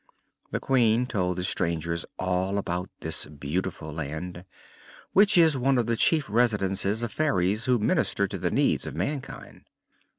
The Queen told the strangers all about this beautiful land, which is one of the chief residences of fairies who minister to the needs of mankind.